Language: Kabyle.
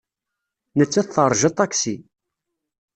Nettat teṛja aṭaksi.